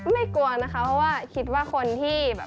กลัวนะคะเพราะว่าคิดว่าคนที่แบบ